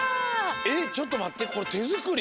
えちょっとまってこれてづくり？